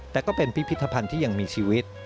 แต่ก็เป็นพิพิธภัณฑ์ที่ยังมีชีวิต